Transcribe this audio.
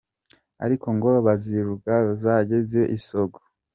Ariko ngo bazirunge zange zibe isogo